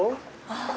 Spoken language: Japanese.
ああ。